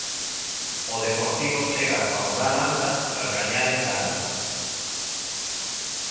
O Deportivo chega coa moral alta tras gañar en Granada.